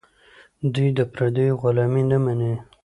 دوی د پردیو غلامي نه مني.